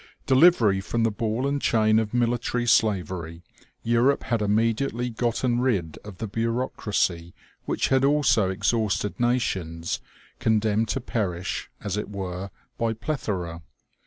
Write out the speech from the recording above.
Delivery from the ball and chain of military slavery, Europe had immediately gotten rid of the bureaucracy which had also exhausted nations, condemned to perish, as it were, by plethora.